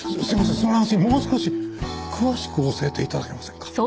その話もう少し詳しく教えて頂けませんか？